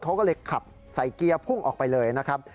เขาก็เลยขับใส่เกียร์พุ่งออกไปเลยนะครับ